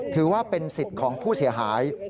ถือว่าเป็นสิทธิ์ของผู้เสียหาย